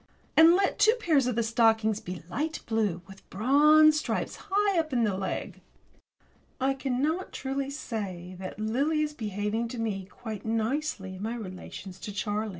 And let two pairs of the stockings be light blue, with bronze stripes high up the leg. I cannot truly say that Lily is behaving to me quite nicely in my relations with Charlie.